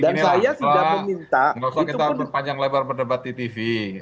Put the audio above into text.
nah jadi gini bang jepang tidak usah kita berpanjang lebar berdebat di tv